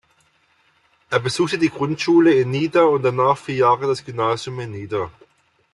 Er besuchte die Grundschule in Nidda und danach vier Jahre das Gymnasium in Nidda.